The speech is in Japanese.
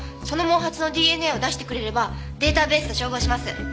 その毛髪のＤＮＡを出してくれればデータベースと照合します。